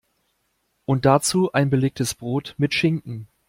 Und dazu ein belegtes Brot mit Schinken.